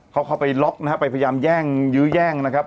เขาเข้าไปล็อกนะฮะไปพยายามแย่งยื้อแย่งนะครับ